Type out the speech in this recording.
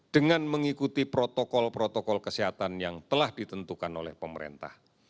dengan mengikuti protokol protokol kesehatan yang telah ditentukan oleh pemerintah